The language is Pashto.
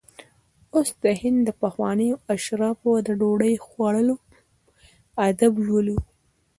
اوس د هند د پخوانیو اشرافو د ډوډۍ خوړلو آداب لولو.